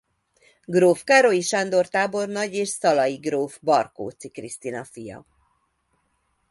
Gróf Károlyi Sándor tábornagy és szalai gróf Barkóczy Krisztina fia.